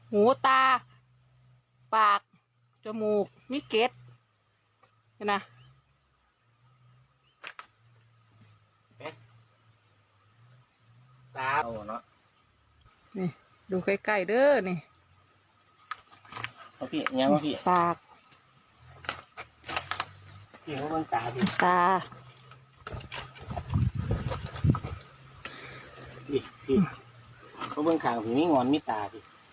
หูตา